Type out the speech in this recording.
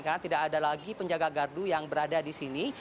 karena tidak ada lagi penjaga gardu yang berada di sini